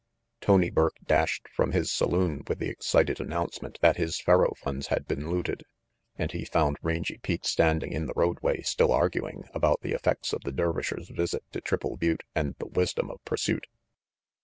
Tony Burke dashed from his saloon with the excited announcement that his faro funds had been looted, and he found Rangy Pete standing in the roadway still arguing about the effects of the Dervishers' visit to Triple Butte and the wisdom of pursuit.